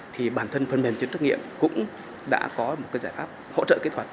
thì bản thân phần mềm chấm trách nhiệm cũng đã có một giải pháp hỗ trợ kỹ thuật